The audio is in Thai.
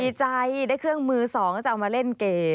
ดีใจได้เครื่องมือสองจะเอามาเล่นเก๋